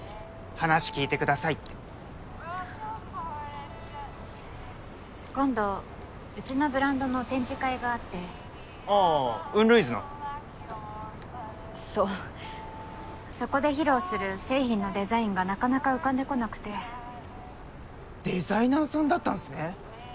話聞いてくださいって今度うちのブランドの展示会があってああウンルイズのあっそうそこで披露する製品のデザインがなかなか浮かんでこなくてデザイナーさんだったんすね